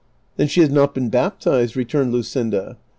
" Then she has not been baptized ?" returned Luscinda.